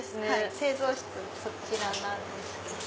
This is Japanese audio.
製造室そちらなんですけど。